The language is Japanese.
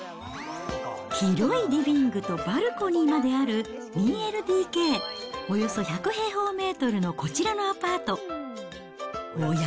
広いリビングとバルコニーまである２ＬＤＫ、およそ１００平方メートルのこちらのアパート。